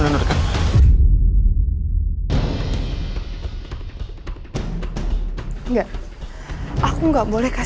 itu banyak uang raja